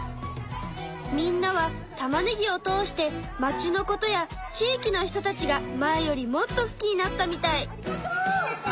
みんなはたまねぎを通して町のことや地域の人たちが前よりもっと好きになったみたい。